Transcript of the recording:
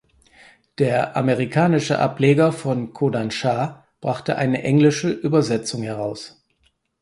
Der amerikanische Ableger von Kodansha brachte eine englische Übersetzung heraus.